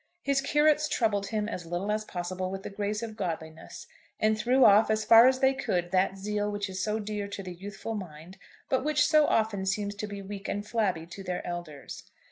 His curates troubled him as little as possible with the grace of godliness, and threw off as far as they could that zeal which is so dear to the youthful mind but which so often seems to be weak and flabby to their elders.